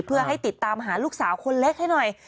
เพื่อให้ติดตามหาลูกสาวคนเล็กให้หน่อย